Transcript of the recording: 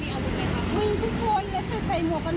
ตอนนั้นเราก็กลัวใช่มั้ย